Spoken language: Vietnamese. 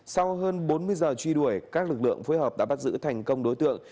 sau hơn bốn mươi giờ truy đuổi các lực lượng phối hợp đã bắt giữ thành công đối tượng